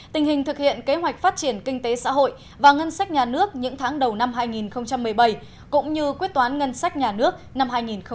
tình hình thực hiện kế hoạch phát triển kinh tế xã hội và ngân sách nhà nước những tháng đầu năm hai nghìn một mươi bảy cũng như quyết toán ngân sách nhà nước năm hai nghìn một mươi bảy